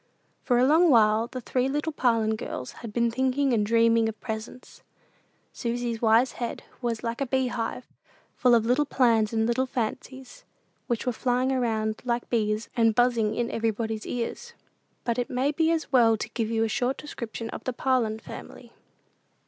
For a long while the three little Parlin girls had been thinking and dreaming of presents. Susy's wise head was like a beehive, full of little plans and little fancies, which were flying about like bees, and buzzing in everybody's ears. But it may be as well to give you a short description of the Parlin family.